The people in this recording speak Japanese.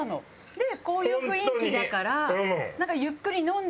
でこういう雰囲気だから。